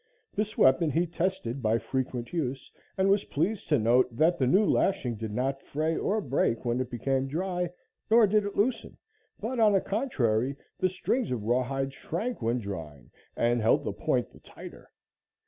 This weapon he tested by frequent use, and was pleased to note that the new lashing did not fray or break when it became dry, nor did it loosen, but, on the contrary, the strings of rawhide shrank when drying and held the point the tighter.